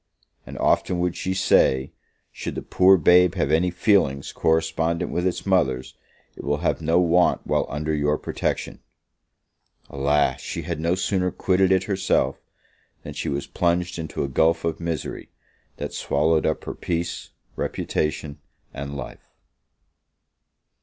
And often would she say, "Should the poor babe have any feelings correspondent with its mother's, it will have no want while under your protection." Alas! she had no sooner quitted it herself, than she was plunged into a gulph of misery, that swallowed up her peace, reputation, and life.